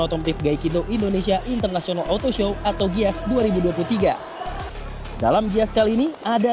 otomotif gaikindo indonesia international auto show atau gias dua ribu dua puluh tiga dalam gias kali ini ada